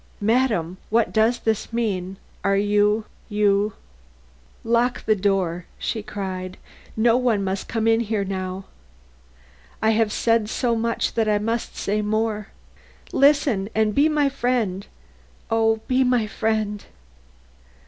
"Madam, what does this mean? Are you you " "Lock the door!" she cried; "no one must come in here now. I have said so much that I must say more. Listen and be my friend; oh, be my friend!